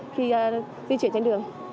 khi di chuyển trên đường